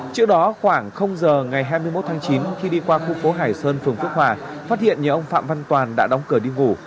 trước đó khoảng giờ ngày hai mươi một tháng chín khi đi qua khu phố hải sơn phường phước hòa phát hiện nhà ông phạm văn toàn đã đóng cửa đi ngủ